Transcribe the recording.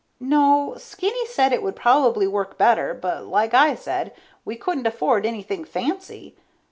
No, Skinny said it would probably work better, but like I said, we couldn't afford anything fancy.